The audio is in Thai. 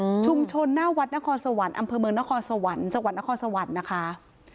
อืมชุมชนหน้าวัดนครสวรรค์อำเภอเมืองนครสวรรค์จังหวัดนครสวรรค์นะคะ